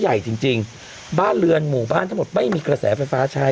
ใหญ่จริงจริงบ้านเรือนหมู่บ้านทั้งหมดไม่มีกระแสไฟฟ้าใช้